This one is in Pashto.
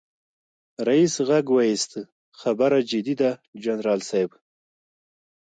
ريس غږ واېست خبره جدي ده جنرال صيب.